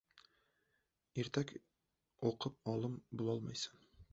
• Ertak o‘qib olim bo‘lolmaysan.